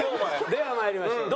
では参りましょう。